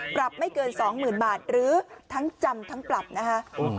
ปรับไม่เกิน๒๐๐๐บาทหรือทั้งจำทั้งปรับนะคะ